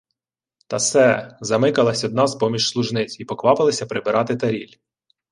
— Та се... — замикалась одна з-поміж служниць і поквапилася прибрати таріль.